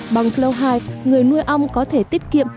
bằng flow hive người nuôi ong có thể tiết kiệm